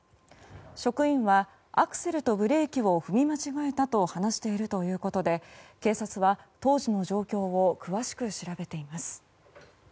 職員は、アクセルとブレーキを踏み間違えたと話しているということで警察は当時の状況を詳しく調べています。